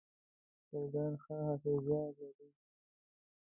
چرګان ښه حافظه لري.